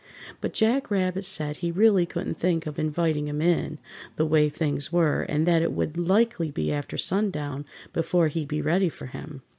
But Jack Rabbit said he really couldn't think of inviting him in, the way things were, and that it would likely be after sundown before he'd be ready for him.